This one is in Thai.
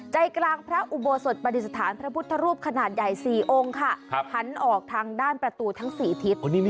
ใจกลางพระอุโบสถปฏิสถานพระพุทธรูปขนาดใหญ่๔องค์ค่ะหันออกทางด้านประตูทั้ง๔ทิศ